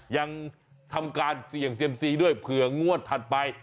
ยังทำการเสี่ยงเซียมซีด้วยเผื่องวดถัดไป